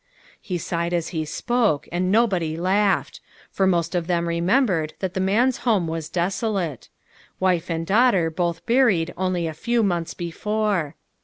He sighed as he spoke, and nobody laughed ; for most of them remembered that the man's home was desolate. Wife and daughter both buried only a few months before.